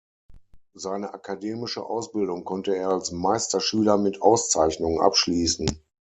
Seine akademische Ausbildung konnte er als Meisterschüler mit Auszeichnung abschließen.